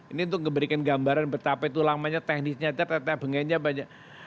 ini untuk memberikan gambaran betapa itu lamanya teknisnya tetap tetap bengennya banyak